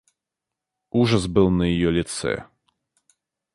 Ужас был на ее лице.